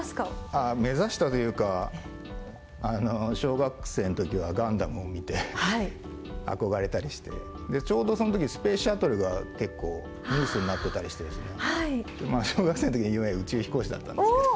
ああ目指したというか小学生の時は『ガンダム』を見て憧れたりしてちょうどその時スペースシャトルが結構ニュースになってたりしてですね小学生の時の夢は宇宙飛行士だったんですけど。